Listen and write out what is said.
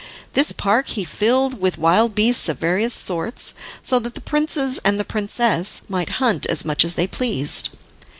This park he filled with wild beasts of various sorts, so that the princes and princess might hunt as much as they pleased.